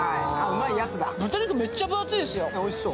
豚肉、めっちゃ分厚いですよ。